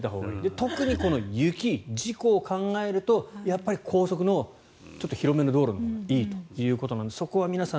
特に雪、事故を考えるとやっぱり高速の広めの道路がいいということなのでそこは皆さん